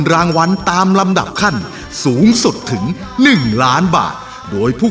รางวันตามลำดับคั่นสูงสุดถึงหนึ่งล้านบาทโดยภู